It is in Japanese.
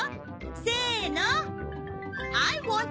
せの！